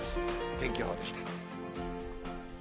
天気予報でした。